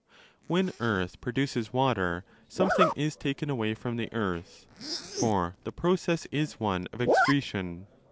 When earth produces water something is taken away from the earth, for the process is one of excretion.